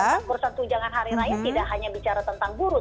tentang urusan tunjangan hari raya tidak hanya bicara tentang buruh